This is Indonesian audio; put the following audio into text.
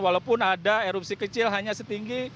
walaupun ada erupsi kecil hanya setinggi